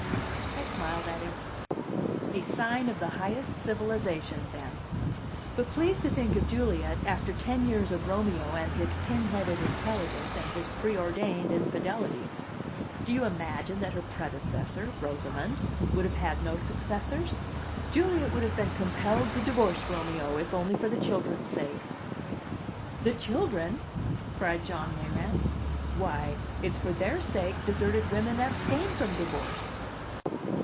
I smiled at him. "A sign of the highest civilization, then. But please to think of Juliet after ten years of Romeo and his pin headed intelligence and his preordained infidelities. Do you imagine that her predecessor, Rosamond, would have had no successors? Juliet would have been compelled to divorce Romeo, if only for the children's sake. "The children!" cried John Mayrant. "Why, it's for their sake deserted women abstain from divorce!"